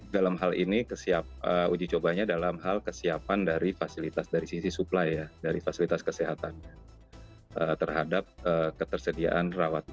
dalam hal ini uji cobanya dalam hal kesiapan dari fasilitas dari sisi supply ya dari fasilitas kesehatannya terhadap ketersediaan rawat